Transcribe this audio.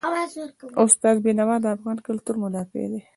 استاد بینوا د افغان کلتور مدافع و.